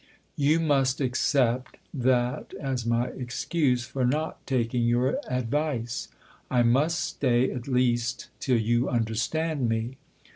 You must accept that as my excuse for not taking your advice. I must stay at least till you understand me."